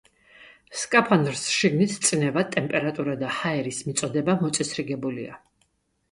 სკაფანდრს შიგნით წნევა, ტემპერატურა და ჰაერის მიწოდება მოწესრიგებულია.